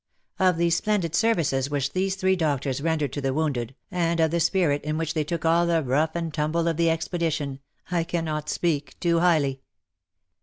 Of the splendid services which these three doctors rendered to the wounded, and of the spirit in which they took all the rough and tumble of the expedition, I cannot speak too highly.